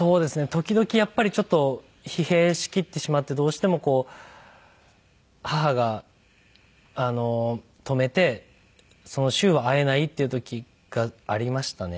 時々やっぱりちょっと疲弊しきってしまってどうしてもこう母が止めてその週は会えないっていう時がありましたね。